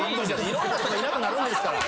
いろんな人がいなくなるんですから。